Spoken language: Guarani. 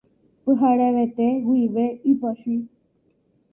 Pyharevete guive ipochy.